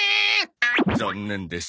残念です。